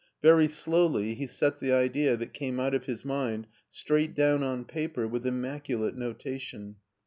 Very slowly he set the idea that came out of his mind straight down on paper with immacu late notation.